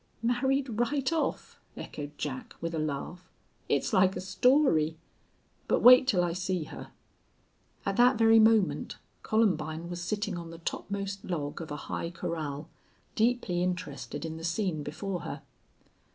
"Married right off!" echoed Jack, with a laugh. "It's like a story. But wait till I see her." At that very moment Columbine was sitting on the topmost log of a high corral, deeply interested in the scene before her.